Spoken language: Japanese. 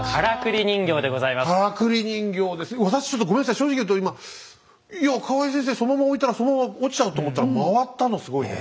正直言うと今いや河合先生そのまま置いたらそのまま落ちちゃうと思ったら回ったのすごいね。